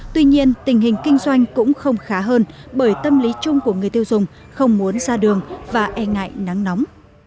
tuy nhiên tình hình kinh doanh cũng không khá hơn bởi tâm lý chung của người tiêu dùng không muốn ra đường và e ngại nắng nóng